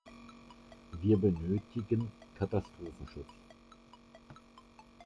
Wir benötigen Katastrophenschutz.